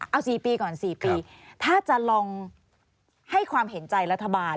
เอา๔ปีก่อน๔ปีถ้าจะลองให้ความเห็นใจรัฐบาล